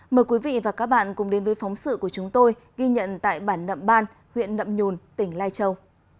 mời quý vị và các bạn cùng đến với phóng sự của chúng tôi ghi nhận tại bản nậm ban huyện nậm nhùn tỉnh lai châu